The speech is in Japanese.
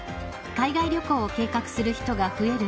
海外旅行を計画する人が増える